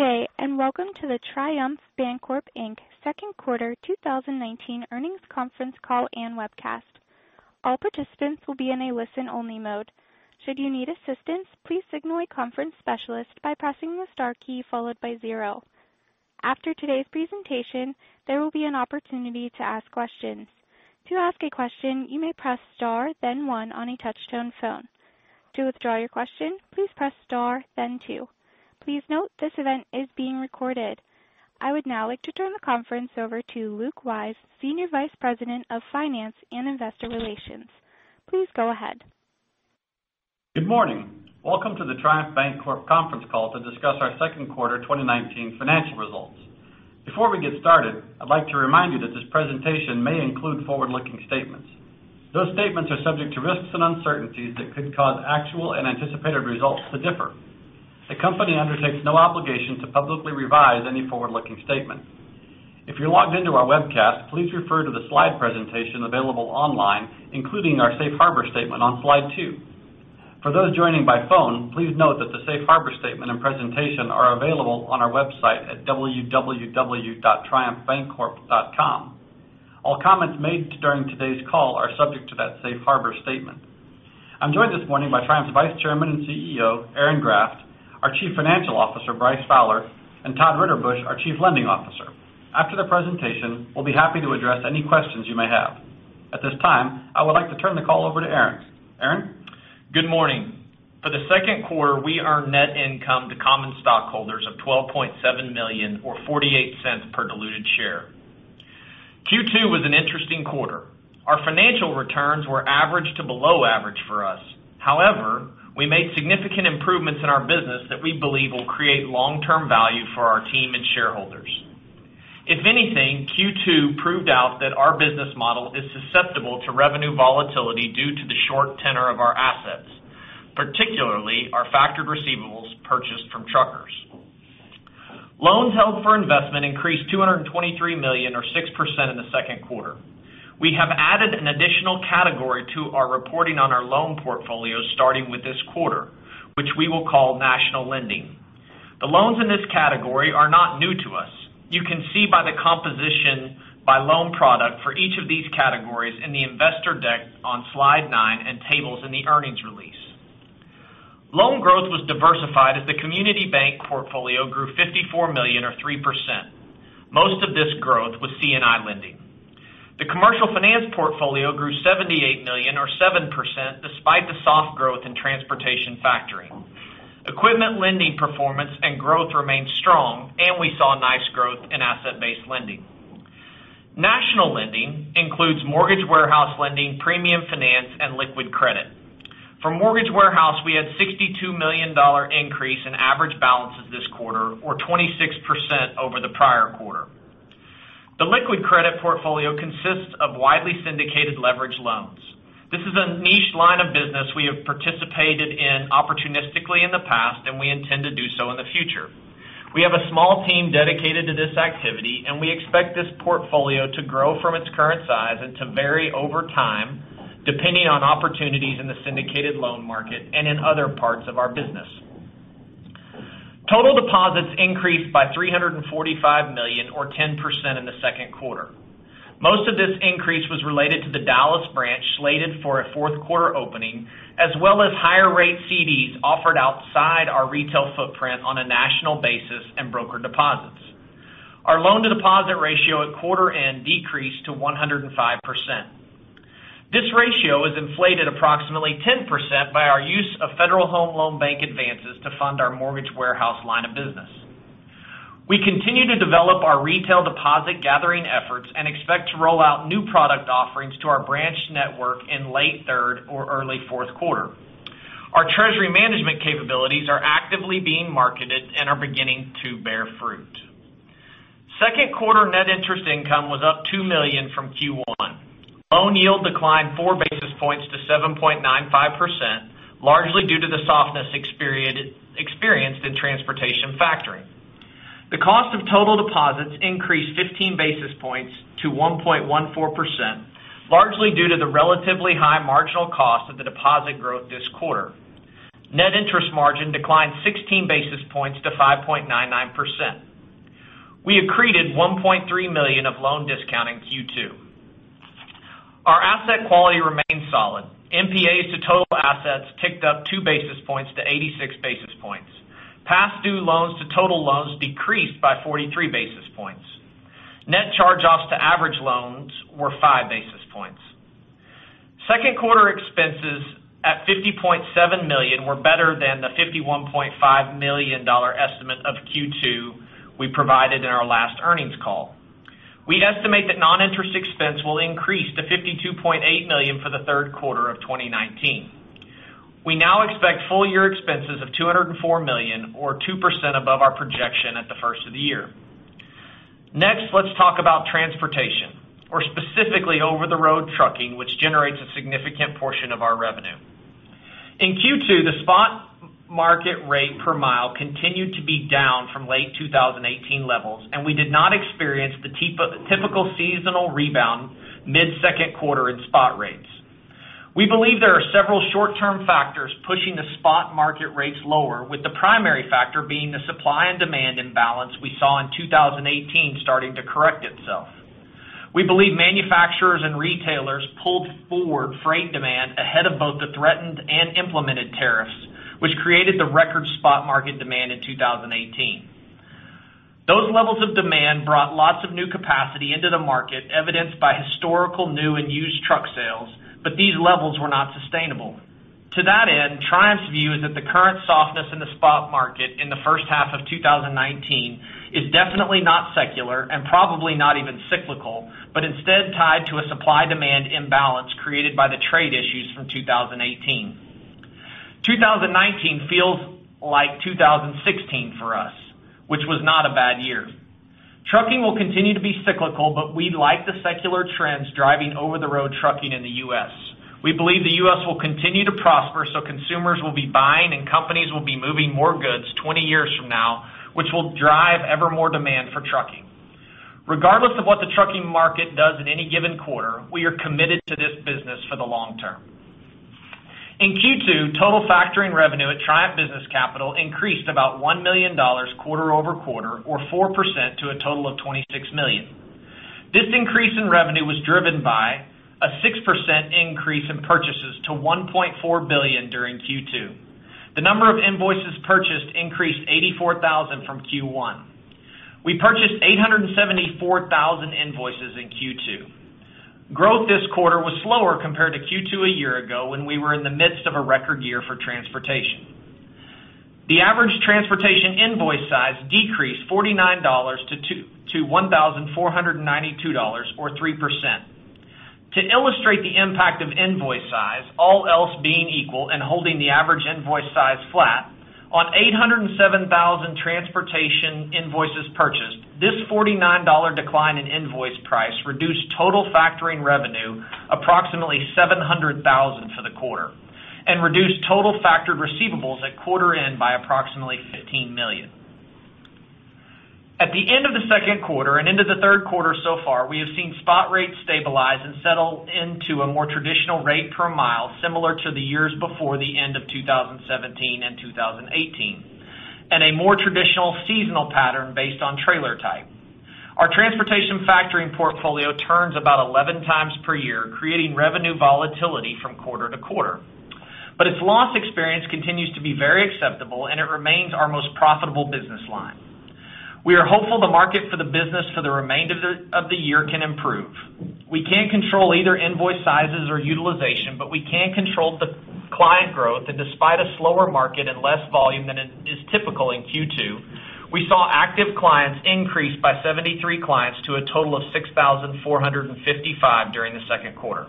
Good day. Welcome to the Triumph Bancorp, Inc. second quarter 2019 earnings conference call and webcast. All participants will be in a listen-only mode. Should you need assistance, please signal a conference specialist by pressing the star key followed by zero. After today's presentation, there will be an opportunity to ask questions. To ask a question, you may press star then one on a touch-tone phone. To withdraw your question, please press star then two. Please note, this event is being recorded. I would now like to turn the conference over to Luke Wyse, Senior Vice President of Finance and Investor Relations. Please go ahead. Good morning. Welcome to the Triumph Bancorp conference call to discuss our second quarter 2019 financial results. Before we get started, I'd like to remind you that this presentation may include forward-looking statements. Those statements are subject to risks and uncertainties that could cause actual and anticipated results to differ. The company undertakes no obligation to publicly revise any forward-looking statement. If you're logged in to our webcast, please refer to the slide presentation available online, including our safe harbor statement on slide two. For those joining by phone, please note that the safe harbor statement and presentation are available on our website at www.triumphbancorp.com. All comments made during today's call are subject to that safe harbor statement. I'm joined this morning by Triumph's Vice Chairman and CEO, Aaron Graft, our Chief Financial Officer, Bryce Fowler, and Todd Ritterbusch, our Chief Lending Officer. After the presentation, we'll be happy to address any questions you may have. At this time, I would like to turn the call over to Aaron. Aaron? Good morning. For the second quarter, we earned net income to common stockholders of $12.7 million or $0.48 per diluted share. Q2 was an interesting quarter. Our financial returns were average to below average for us. However, we made significant improvements in our business that we believe will create long-term value for our team and shareholders. If anything, Q2 proved out that our business model is susceptible to revenue volatility due to the short tenor of our assets, particularly our factored receivables purchased from truckers. Loans held for investment increased $223 million or 6% in the second quarter. We have added an additional category to our reporting on our loan portfolio starting with this quarter, which we will call National Lending. The loans in this category are not new to us. You can see by the composition by loan product for each of these categories in the investor deck on Slide nine and tables in the earnings release. Loan growth was diversified as the community bank portfolio grew $54 million or 3%. Most of this growth was C&I lending. The commercial finance portfolio grew $78 million or 7%, despite the soft growth in transportation factoring. Equipment lending performance and growth remained strong, and we saw nice growth in asset-based lending. National lending includes mortgage warehouse lending, premium finance, and liquid credit. For mortgage warehouse, we had $62 million increase in average balances this quarter or 26% over the prior quarter. The liquid credit portfolio consists of widely syndicated leverage loans. This is a niche line of business we have participated in opportunistically in the past, and we intend to do so in the future. We have a small team dedicated to this activity. We expect this portfolio to grow from its current size and to vary over time, depending on opportunities in the syndicated loan market and in other parts of our business. Total deposits increased by $345 million or 10% in the second quarter. Most of this increase was related to the Dallas branch slated for a fourth quarter opening, as well as higher rate CDs offered outside our retail footprint on a national basis and broker deposits. Our loan-to-deposit ratio at quarter end decreased to 105%. This ratio is inflated approximately 10% by our use of Federal Home Loan Bank advances to fund our mortgage warehouse line of business. We continue to develop our retail deposit gathering efforts and expect to roll out new product offerings to our branch network in late third or early fourth quarter. Our treasury management capabilities are actively being marketed and are beginning to bear fruit. Second quarter net interest income was up $2 million from Q1. Loan yield declined four basis points to 7.95%, largely due to the softness experienced in transportation factoring. The cost of total deposits increased 15 basis points to 1.14%, largely due to the relatively high marginal cost of the deposit growth this quarter. Net interest margin declined 16 basis points to 5.99%. We accreted $1.3 million of loan discount in Q2. Our asset quality remains solid. NPAs to total assets ticked up two basis points to 86 basis points. Past due loans to total loans decreased by 43 basis points. Net charge-offs to average loans were 5 basis points. Second quarter expenses at $50.7 million were better than the $51.5 million estimate of Q2 we provided in our last earnings call. We estimate that non-interest expense will increase to $52.8 million for the third quarter of 2019. We now expect full year expenses of $204 million or 2% above our projection at the first of the year. Let's talk about transportation, or specifically over-the-road trucking, which generates a significant portion of our revenue. In Q2, the spot market rate per mile continued to be down from late 2018 levels. We did not experience the typical seasonal rebound mid-second quarter in spot rates. We believe there are several short-term factors pushing the spot market rates lower, with the primary factor being the supply and demand imbalance we saw in 2018 starting to correct itself. We believe manufacturers and retailers pulled forward freight demand ahead of both the threatened and implemented tariffs, which created the record spot market demand in 2018. Those levels of demand brought lots of new capacity into the market, evidenced by historical new and used truck sales. These levels were not sustainable. To that end, Triumph's view is that the current softness in the spot market in the first half of 2019 is definitely not secular and probably not even cyclical. Instead tied to a supply-demand imbalance created by the trade issues from 2018. 2019 feels like 2016 for us, which was not a bad year. Trucking will continue to be cyclical. We like the secular trends driving over-the-road trucking in the U.S. We believe the U.S. will continue to prosper. Consumers will be buying and companies will be moving more goods 20 years from now, which will drive ever more demand for trucking. Regardless of what the trucking market does in any given quarter, we are committed to this business for the long term. In Q2, total factoring revenue at Triumph Business Capital increased about $1 million quarter-over-quarter, or 4%, to a total of $26 million. This increase in revenue was driven by a 6% increase in purchases to $1.4 billion during Q2. The number of invoices purchased increased 84,000 from Q1. We purchased 874,000 invoices in Q2. Growth this quarter was slower compared to Q2 a year ago when we were in the midst of a record year for transportation. The average transportation invoice size decreased $49 to $1,492, or 3%. To illustrate the impact of invoice size, all else being equal and holding the average invoice size flat, on 807,000 transportation invoices purchased, this $49 decline in invoice price reduced total factoring revenue approximately $700,000 for the quarter and reduced total factored receivables at quarter end by approximately $15 million. At the end of the second quarter and into the third quarter so far, we have seen spot rates stabilize and settle into a more traditional rate per mile, similar to the years before the end of 2017 and 2018, and a more traditional seasonal pattern based on trailer type. Our transportation factoring portfolio turns about 11 times per year, creating revenue volatility from quarter to quarter. Its loss experience continues to be very acceptable, and it remains our most profitable business line. We are hopeful the market for the business for the remainder of the year can improve. We can't control either invoice sizes or utilization. We can control the client growth, and despite a slower market and less volume than is typical in Q2, we saw active clients increase by 73 clients to a total of 6,455 during the second quarter.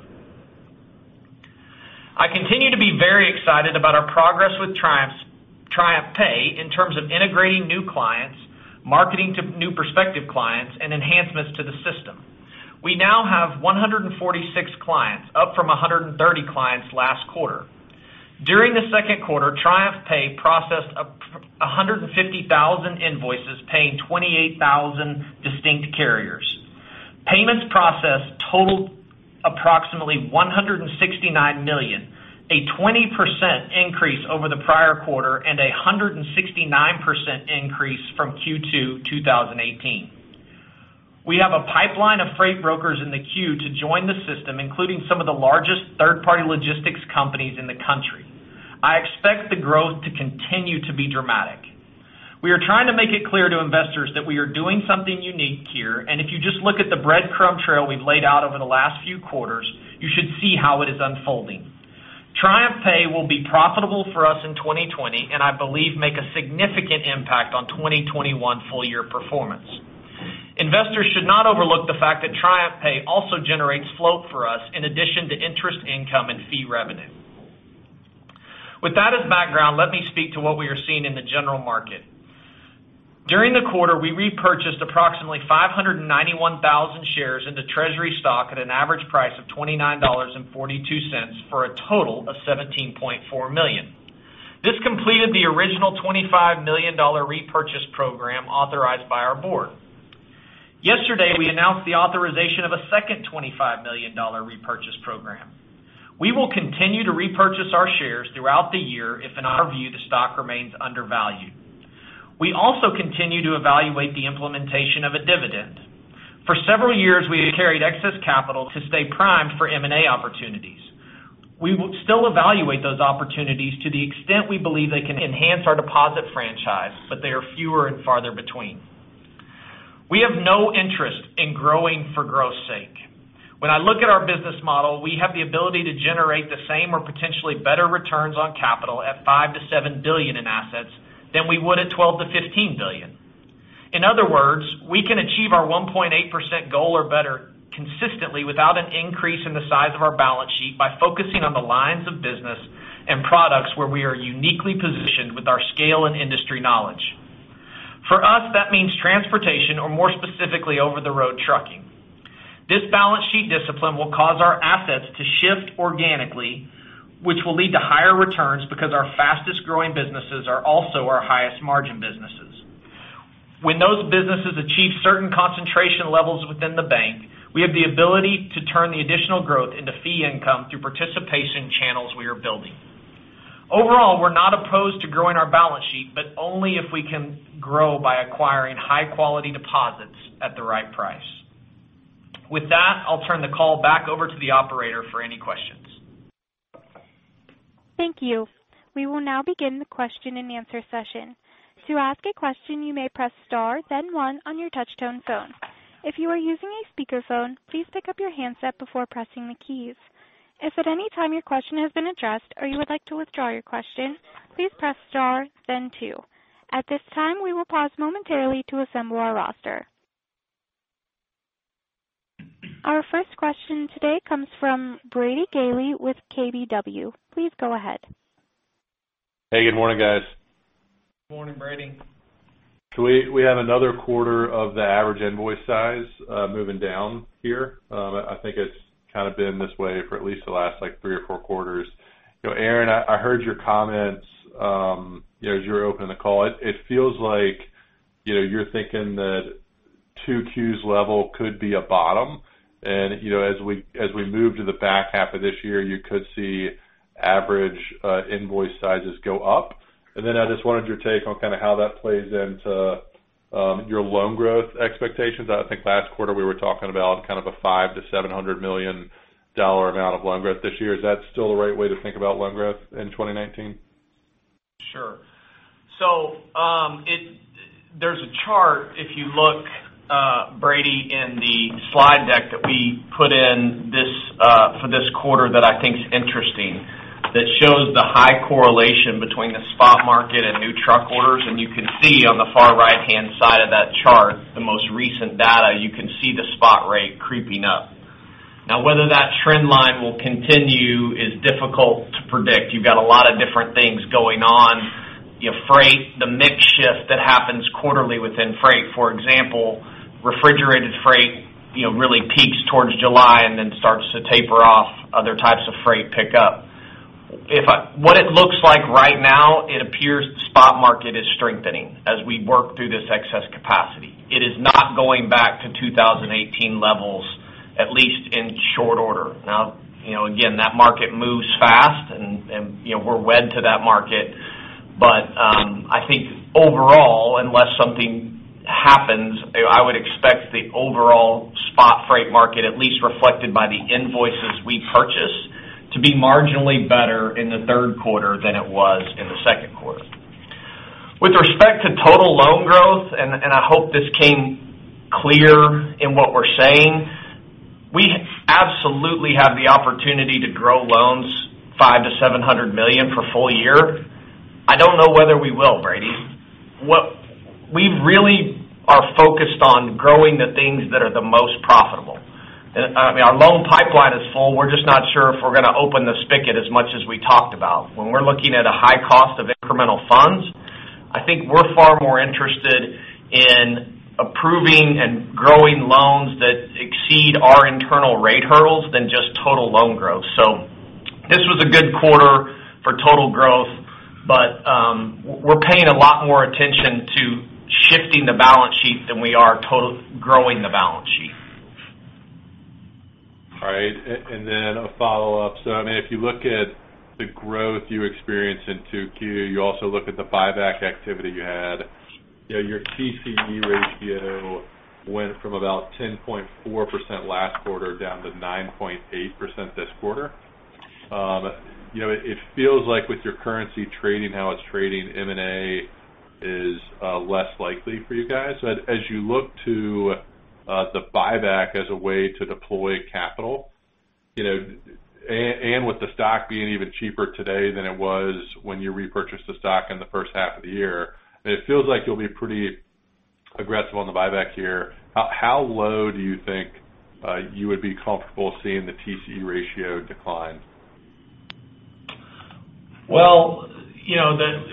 I continue to be very excited about our progress with TriumphPay in terms of integrating new clients, marketing to new prospective clients, and enhancements to the system. We now have 146 clients, up from 130 clients last quarter. During the second quarter, TriumphPay processed 150,000 invoices, paying 28,000 distinct carriers. Payments processed totaled approximately $169 million, a 20% increase over the prior quarter and a 169% increase from Q2 2018. We have a pipeline of freight brokers in the queue to join the system, including some of the largest third-party logistics companies in the country. I expect the growth to continue to be dramatic. We are trying to make it clear to investors that we are doing something unique here, and if you just look at the breadcrumb trail we've laid out over the last few quarters, you should see how it is unfolding. TriumphPay will be profitable for us in 2020, and I believe make a significant impact on 2021 full-year performance. Investors should not overlook the fact that TriumphPay also generates float for us in addition to interest income and fee revenue. With that as background, let me speak to what we are seeing in the general market. During the quarter, we repurchased approximately 591,000 shares into treasury stock at an average price of $29.42 for a total of $17.4 million. This completed the original $25 million repurchase program authorized by our board. Yesterday, we announced the authorization of a second $25 million repurchase program. We will continue to repurchase our shares throughout the year if, in our view, the stock remains undervalued. We also continue to evaluate the implementation of a dividend. For several years, we have carried excess capital to stay primed for M&A opportunities. We will still evaluate those opportunities to the extent we believe they can enhance our deposit franchise, but they are fewer and farther between. We have no interest in growing for growth's sake. When I look at our business model, we have the ability to generate the same or potentially better returns on capital at $5 billion-$7 billion in assets than we would at $12 billion-$15 billion. In other words, we can achieve our 1.8% goal or better consistently without an increase in the size of our balance sheet by focusing on the lines of business and products where we are uniquely positioned with our scale and industry knowledge. For us, that means transportation or more specifically, over-the-road trucking. This balance sheet discipline will cause our assets to shift organically, which will lead to higher returns because our fastest-growing businesses are also our highest margin businesses. When those businesses achieve certain concentration levels within the bank, we have the ability to turn the additional growth into fee income through participation channels we are building. Overall, we're not opposed to growing our balance sheet, but only if we can grow by acquiring high-quality deposits at the right price. With that, I'll turn the call back over to the operator for any questions. Thank you. We will now begin the question-and-answer session. To ask a question, you may press star then one on your touchtone phone. If you are using a speakerphone, please pick up your handset before pressing the keys. If at any time your question has been addressed or you would like to withdraw your question, please press star then two. At this time, we will pause momentarily to assemble our roster. Our first question today comes from Brady Gailey with KBW. Please go ahead. Hey, good morning, guys. Morning, Brady. We have another quarter of the average invoice size moving down here. I think it's kind of been this way for at least the last three or four quarters. Aaron, I heard your comments as you were opening the call. It feels like you're thinking that 2Q's level could be a bottom, and as we move to the back half of this year, you could see average invoice sizes go up. I just wanted your take on kind of how that plays into your loan growth expectations. I think last quarter, we were talking about kind of a $500 million-$700 million amount of loan growth this year. Is that still the right way to think about loan growth in 2019? Sure. There's a chart, if you look, Brady, in the slide deck that we put in for this quarter that I think is interesting, that shows the high correlation between the spot market and new truck orders. You can see on the far right-hand side of that chart, the most recent data, you can see the spot rate creeping up. Now, whether that trend line will continue is difficult to predict. You've got a lot of different things going on. Freight, the mix shift that happens quarterly within freight. For example, refrigerated freight really peaks towards July and starts to taper off. Other types of freight pick up. What it looks like right now, it appears the spot market is strengthening as we work through this excess capacity. It is not going back to 2018 levels, at least in short order. Again, that market moves fast, and we're wed to that market. I think overall, unless something happens, I would expect the overall spot freight market, at least reflected by the invoices we purchase, to be marginally better in the third quarter than it was in the second quarter. With respect to total loan growth, and I hope this came clear in what we're saying, we absolutely have the opportunity to grow loans $5 million-$700 million for full year. I don't know whether we will, Brady Gailey. We really are focused on growing the things that are the most profitable. I mean, our loan pipeline is full. We're just not sure if we're going to open the spigot as much as we talked about. When we're looking at a high cost of incremental funds, I think we're far more interested in approving and growing loans that exceed our internal rate hurdles than just total loan growth. This was a good quarter for total growth, we're paying a lot more attention to shifting the balance sheet than we are growing the balance sheet. All right. A follow-up. I mean, if you look at the growth you experienced in 2Q, you also look at the buyback activity you had. Your TCE ratio went from about 10.4% last quarter down to 9.8% this quarter. It feels like with your currency trading how it's trading, M&A is less likely for you guys. As you look to the buyback as a way to deploy capital, with the stock being even cheaper today than it was when you repurchased the stock in the first half of the year, it feels like you'll be pretty aggressive on the buyback here. How low do you think you would be comfortable seeing the TCE ratio decline? Well,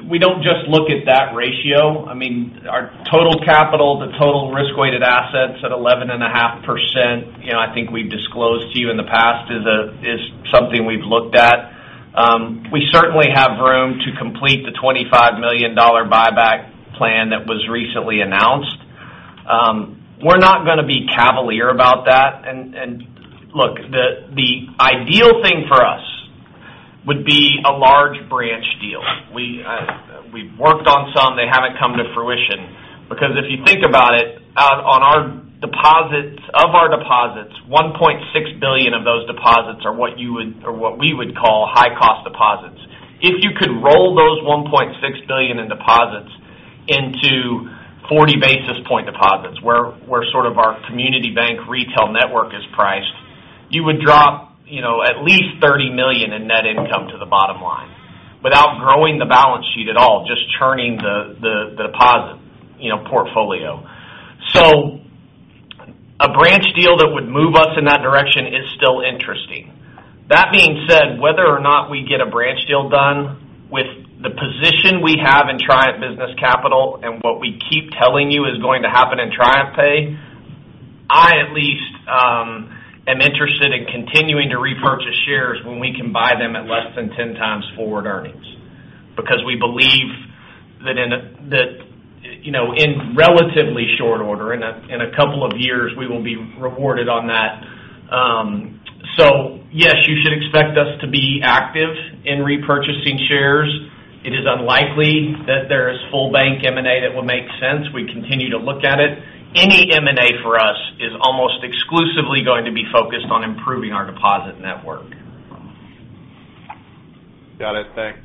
we don't just look at that ratio. I mean, our total capital to total risk-weighted assets at 11.5%, I think we've disclosed to you in the past, is something we've looked at. We certainly have room to complete the $25 million buyback plan that was recently announced. We're not going to be cavalier about that. Look, the ideal thing for us would be a large branch deal. We've worked on some; they haven't come to fruition because if you think about it, of our deposits, $1.6 billion of those deposits are what we would call high-cost deposits. If you could roll those $1.6 billion in deposits into 40 basis point deposits, where sort of our community bank retail network is priced, you would drop at least $30 million in net income to the bottom line without growing the balance sheet at all, just churning the deposit portfolio. A branch deal that would move us in that direction is still interesting. That being said, whether or not we get a branch deal done with the position we have in Triumph Business Capital and what we keep telling you is going to happen in TriumphPay, I'm interested in continuing to repurchase shares when we can buy them at less than 10 times forward earnings, because we believe that in relatively short order, in a couple of years, we will be rewarded on that. Yes, you should expect us to be active in repurchasing shares. It is unlikely that there is full bank M&A that will make sense. We continue to look at it. Any M&A for us is almost exclusively going to be focused on improving our deposit network. Got it. Thanks.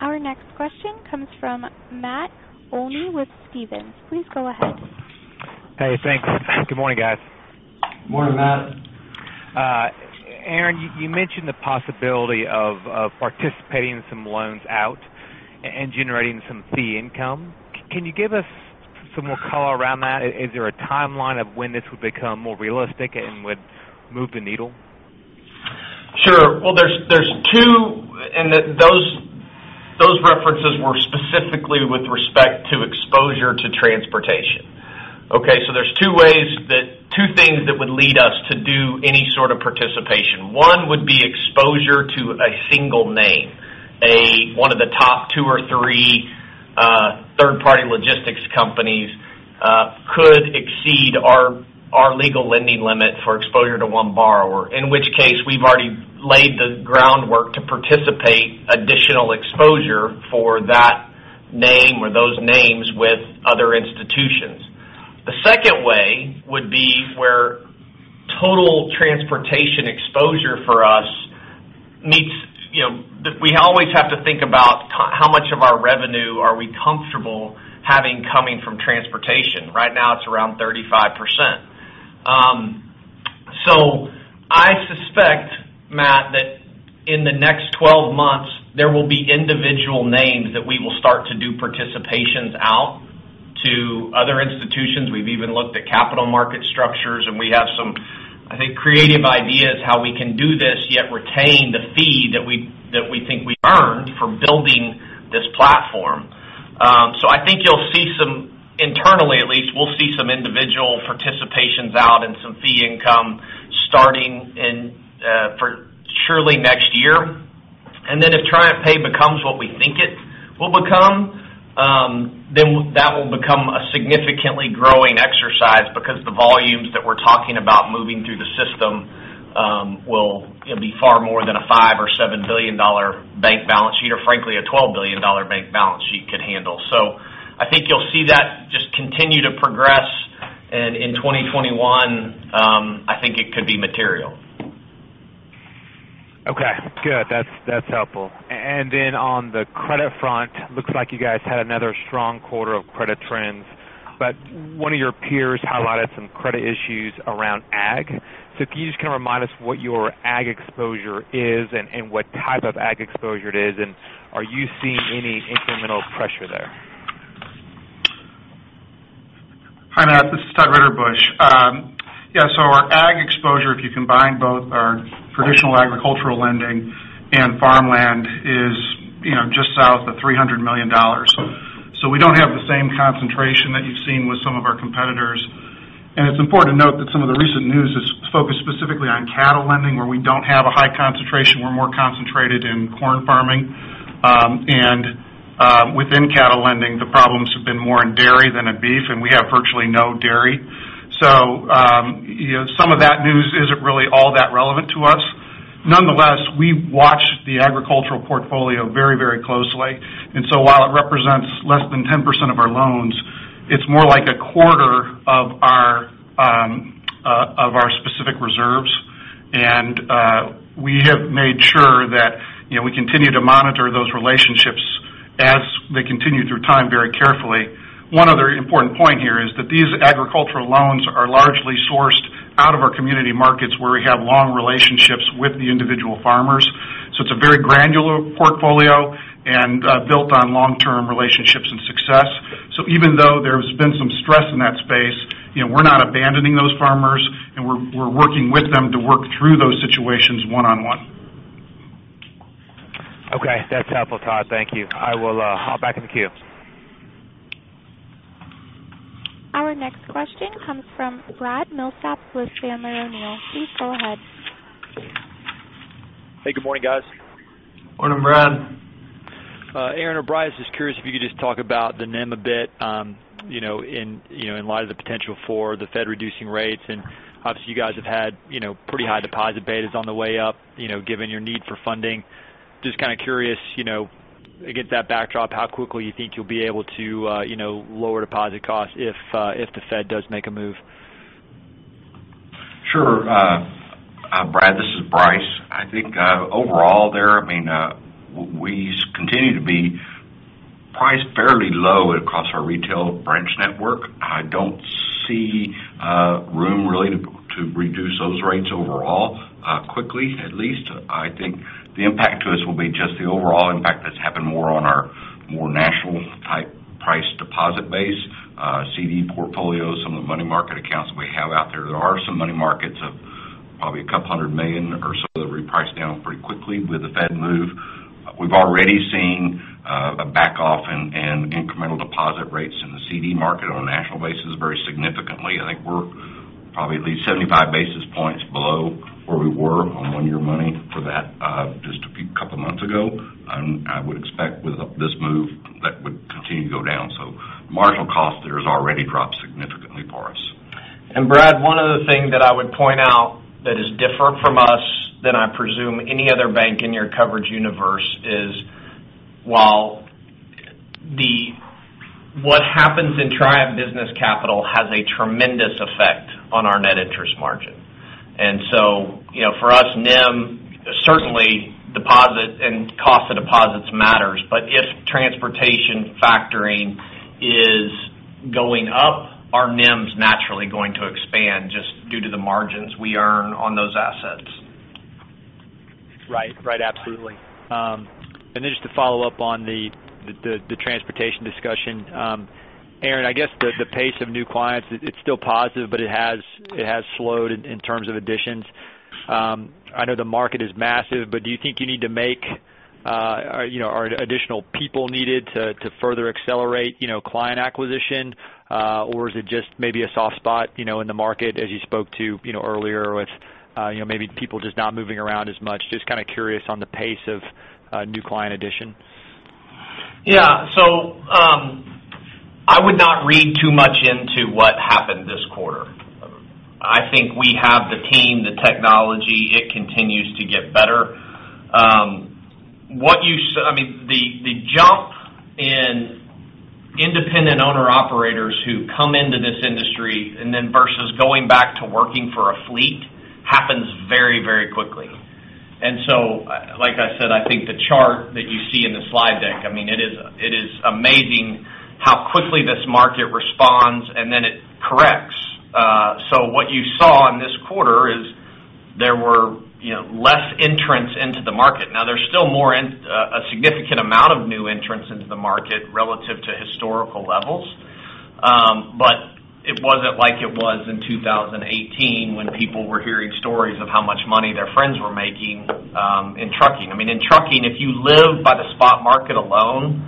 Our next question comes from Matt Olney with Stephens. Please go ahead. Hey, thanks. Good morning, guys. Morning, Matt. Aaron, you mentioned the possibility of participating some loans out and generating some fee income. Can you give us some more color around that? Is there a timeline of when this would become more realistic and would move the needle? Sure. Well, there's two, and those references were specifically with respect to exposure to transportation. Okay, there's two things that would lead us to do any sort of participation. One would be exposure to a single name. One of the top two or three third-party logistics companies could exceed our legal lending limit for exposure to one borrower, in which case we've already laid the groundwork to participate additional exposure for that name or those names with other institutions. The second way would be where total transportation exposure for us. We always have to think about how much of our revenue are we comfortable having coming from transportation. Right now, it's around 35%. I suspect, Matt, that in the next 12 months, there will be individual names that we will start to do participations out to other institutions. We've even looked at capital market structures, and we have some, I think, creative ideas how we can do this, yet retain the fee that we think we earned for building this platform. I think you'll see some, internally at least, we'll see some individual participations out and some fee income starting in, surely, next year. If TriumphPay becomes what we think it will become, then that will become a significantly growing exercise because the volumes that we're talking about moving through the system will be far more than a $5 billion or $7 billion bank balance sheet, or frankly, a $12 billion bank balance sheet could handle. I think you'll see that just continue to progress, and in 2021, I think it could be material. Okay, good. That's helpful. On the credit front, looks like you guys had another strong quarter of credit trends, one of your peers highlighted some credit issues around ag. If you just kind of remind us what your ag exposure is and what type of ag exposure it is, are you seeing any incremental pressure there? Hi, Matt, this is Todd Ritterbusch. Our ag exposure, if you combine both our traditional agricultural lending and farmland, is just south of $300 million. We don't have the same concentration that you've seen with some of our competitors. It's important to note that some of the recent news is focused specifically on cattle lending, where we don't have a high concentration. We're more concentrated in corn farming. Within cattle lending, the problems have been more in dairy than in beef, and we have virtually no dairy. Some of that news isn't really all that relevant to us. Nonetheless, we watch the agricultural portfolio very closely. While it represents less than 10% of our loans, it's more like a quarter of our specific reserves. We have made sure that we continue to monitor those relationships as they continue through time very carefully. One other important point here is that these agricultural loans are largely sourced out of our community markets where we have long relationships with the individual farmers. It's a very granular portfolio and built on long-term relationships and success. Even though there's been some stress in that space, we're not abandoning those farmers, and we're working with them to work through those situations one-on-one. Okay. That's helpful, Todd. Thank you. I will hop back in the queue. Our next question comes from Brad Milsaps with Sandler O'Neill. Please go ahead. Hey, good morning, guys. Morning, Brad. Aaron or Bryce, just curious if you could just talk about the NIM a bit, in light of the potential for the Fed reducing rates. Obviously, you guys have had pretty high deposit betas on the way up, given your need for funding. Just kind of curious, against that backdrop, how quickly you think you'll be able to lower deposit costs if the Fed does make a move. Sure. Brad, this is Bryce. I think overall there, we continue to be priced fairly low across our retail branch network. I don't see room really to reduce those rates overall, quickly, at least. I think the impact to us will be just the overall impact that's happened more on our more national type price deposit base, CD portfolios, some of the money market accounts We have out there are some money markets of probably a couple hundred million or so that reprice down pretty quickly with the Fed move. We've already seen a back-off in incremental deposit rates in the CD market on a national basis, very significantly. I think we're probably at least 75 basis points below where we were on one-year money for that just a couple of months ago. Marginal cost there has already dropped significantly for us. Brad, one other thing that I would point out that is different from us than I presume any other bank in your coverage universe is, while what happens in Triumph Business Capital has a tremendous effect on our net interest margin. For us, NIM, certainly deposit and cost of deposits matters, but if transportation factoring is going up, our NIMs naturally going to expand just due to the margins we earn on those assets. Right. Absolutely. Just to follow up on the transportation discussion. Aaron, I guess the pace of new clients, it's still positive, but it has slowed in terms of additions. I know the market is massive, but are additional people needed to further accelerate client acquisition? Or is it just maybe a soft spot in the market as you spoke to earlier with maybe people just not moving around as much? Just kind of curious on the pace of new client addition. Yeah. I would not read too much into what happened this quarter. I think we have the team, the technology, it continues to get better. The jump in independent owner operators who come into this industry and then versus going back to working for a fleet happens very quickly. Like I said, I think the chart that you see in the slide deck, it is amazing how quickly this market responds, and then it corrects. What you saw in this quarter is there were less entrants into the market. Now, there's still a significant amount of new entrants into the market relative to historical levels. It wasn't like it was in 2018 when people were hearing stories of how much money their friends were making in trucking. In trucking, if you live by the spot market alone,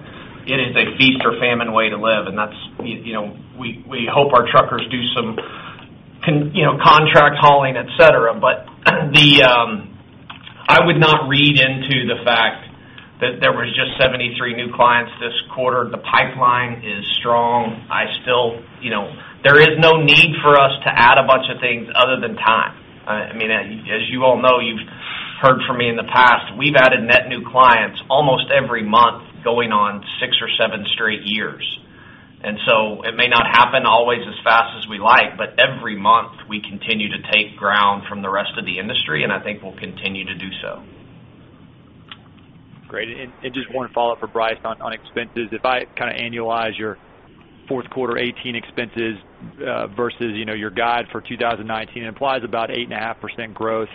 it is a feast or famine way to live, and we hope our truckers do some contract hauling, et cetera. I would not read into the fact that there was just 73 new clients this quarter. The pipeline is strong. There is no need for us to add a bunch of things other than time. As you all know, you've heard from me in the past, we've added net new clients almost every month going on six or seven straight years. It may not happen always as fast as we like, but every month we continue to take ground from the rest of the industry, and I think we'll continue to do so. Great. Just one follow-up for Bryce on expenses. If I kind of annualize your fourth quarter 2018 expenses versus your guide for 2019, it implies about 8.5% growth.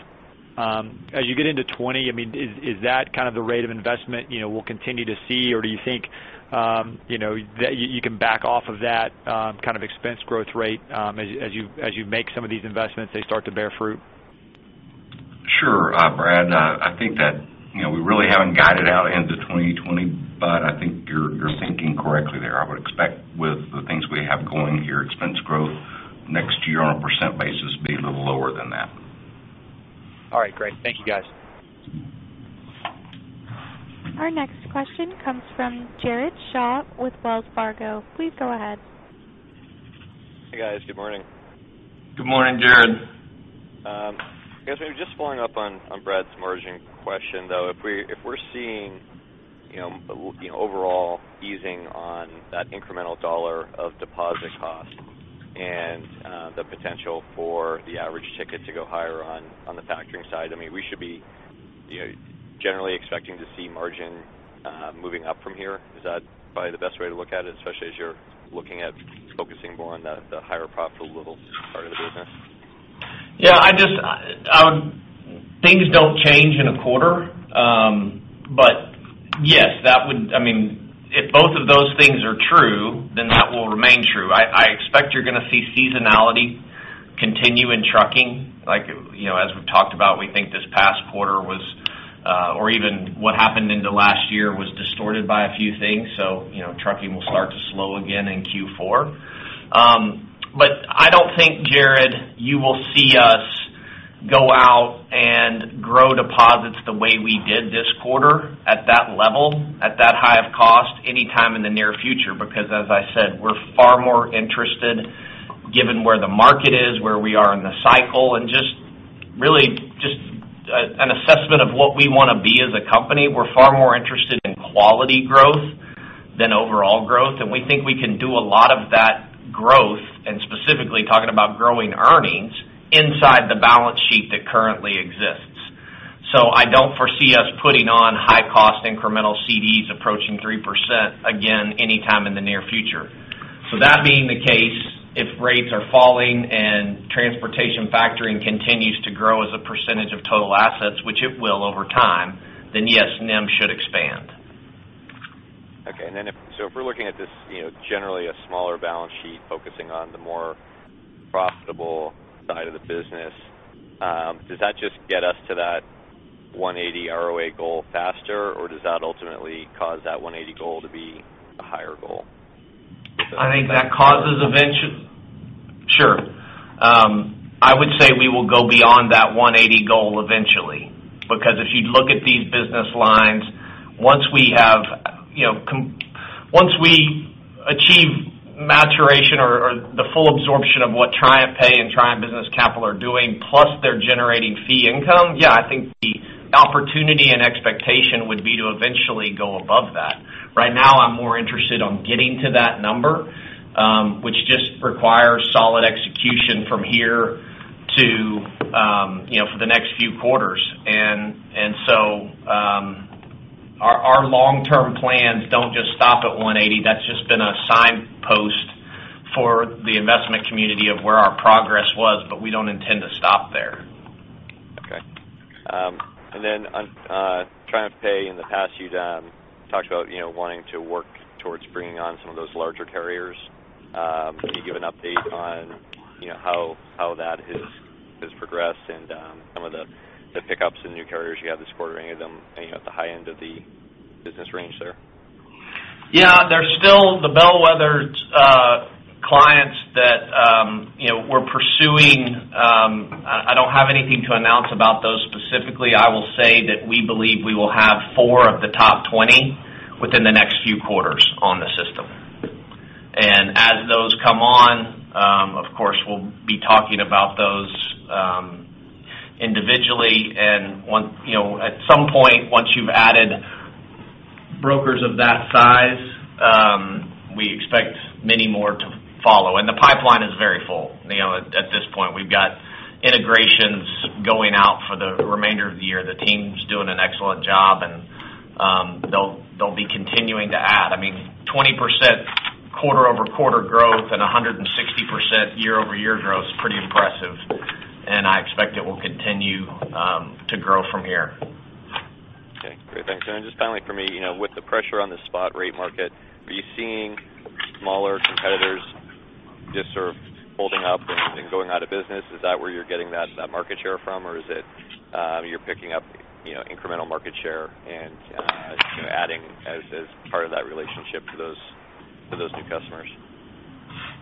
As you get into 2020, is that kind of the rate of investment we'll continue to see, or do you think that you can back off of that kind of expense growth rate as you make some of these investments, they start to bear fruit? Sure. Brad, I think that we really haven't guided out into 2020, I think you're thinking correctly there. I would expect with the things we have going here, expense growth next year on a % basis will be a little lower than that. All right, great. Thank you, guys. Our next question comes from Jared Shaw with Wells Fargo. Please go ahead. Hey, guys. Good morning. Good morning, Jared. Guys, maybe just following up on Brad's margin question, though. If we're seeing overall easing on that incremental dollar of deposit cost and the potential for the average ticket to go higher on the factoring side, we should be generally expecting to see margin moving up from here. Is that probably the best way to look at it, especially as you're looking at focusing more on the higher profitable part of the business? Yeah. Things don't change in a quarter. Yes, if both of those things are true, then that will remain true. I expect you're going to see seasonality continue in trucking. As we've talked about, we think this past quarter or even what happened in the last year was distorted by a few things. Trucking will start to slow again in Q4. I don't think, Jared, you will see us go out and grow deposits the way we did this quarter at that level, at that high of cost anytime in the near future because as I said, we're far more interested, given where the market is, where we are in the cycle, and really just an assessment of what we want to be as a company. We're far more interested in quality growth than overall growth, and we think we can do a lot of that growth, and specifically talking about growing earnings, inside the balance sheet that currently exists. I don't foresee us putting on high cost incremental CDs approaching 3% again anytime in the near future. That being the case, if rates are falling and transportation factoring continues to grow as a percentage of total assets, which it will over time, then yes, NIM should expand. If we're looking at this, generally a smaller balance sheet focusing on the more profitable side of the business, does that just get us to that 180 ROA goal faster? Or does that ultimately cause that 180 goal to be a higher goal? I think that causes Sure. I would say we will go beyond that 180 goal eventually. Because if you look at these business lines, once we achieve maturation or the full absorption of what TriumphPay and Triumph Business Capital are doing, plus they're generating fee income, yeah, I think the opportunity and expectation would be to eventually go above that. Right now, I'm more interested on getting to that number, which just requires solid execution from here for the next few quarters. Our long-term plans don't just stop at 180. That's just been a signpost for the investment community of where our progress was, but we don't intend to stop there. Okay. On TriumphPay in the past, you talked about wanting to work towards bringing on some of those larger carriers. Can you give an update on how that has progressed and some of the pickups and new carriers you have this quarter, any of them at the high end of the business range there? Yeah. There's still the bellwethers clients that we're pursuing. I don't have anything to announce about those specifically. I will say that we believe we will have four of the top 20 within the next few quarters on the system. As those come on, of course, we'll be talking about those individually and at some point, once you've added brokers of that size, we expect many more to follow. The pipeline is very full. At this point, we've got integrations going out for the remainder of the year. The team's doing an excellent job, and they'll be continuing to add. I mean, 20% quarter-over-quarter growth and 160% year-over-year growth is pretty impressive, and I expect it will continue to grow from here. Okay. Great. Thanks. Just finally for me, with the pressure on the spot rate market, are you seeing smaller competitors just sort of holding up and going out of business? Is that where you're getting that market share from? Or is it you're picking up incremental market share and adding as part of that relationship to those new customers?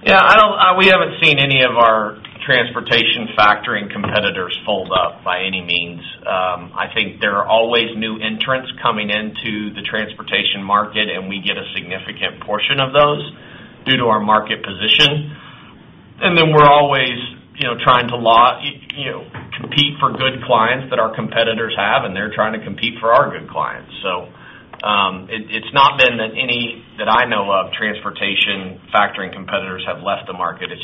Yeah. We haven't seen any of our transportation factoring competitors fold up by any means. I think there are always new entrants coming into the transportation market. We get a significant portion of those due to our market position. Then we're always trying to compete for good clients that our competitors have, and they're trying to compete for our good clients. It's not been that any, that I know of, transportation factoring competitors have left the market.